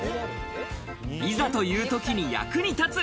いざというときに役に立つ。